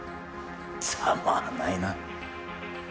ざまぁないな。